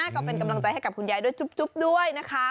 ก็เป็นกำลังใจให้กับคุณยายด้วยจุ๊บด้วยนะคะ